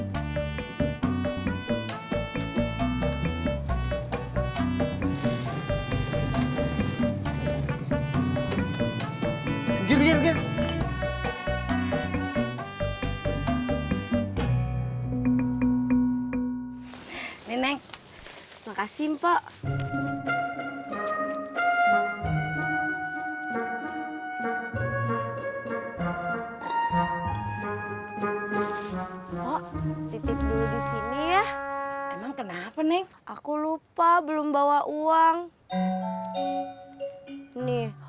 hai nenek makasih mbak mbak titip disini ya emang kenapa neng aku lupa belum bawa uang nih